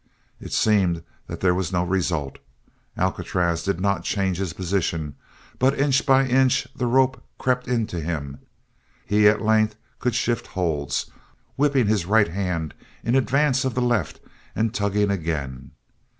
It seemed that there was no result; Alcatraz did not change his position; but inch by inch the rope crept in to him; he at length could shift holds, whipping his right hand in advance of the left and tugging again.